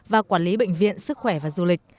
và quản lý bệnh viện sức khỏe và du lịch